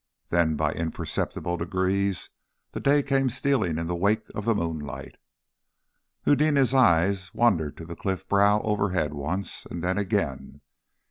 Then by imperceptible degrees, the day came stealing in the wake of the moonlight. Eudena's eyes wandered to the cliff brow overhead once, and then again.